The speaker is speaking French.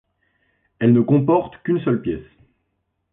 Elle ne comporte qu'une seule pièce.